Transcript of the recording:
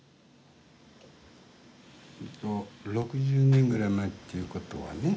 ６０年ぐらい前っていうことはね